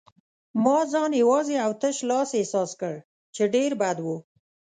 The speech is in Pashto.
ما ځان یوازې او تش لاس احساس کړ، چې ډېر بد و.